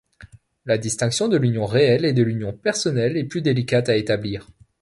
La distinction de l’union réelle et de l’union personnelle est plus délicate à établir.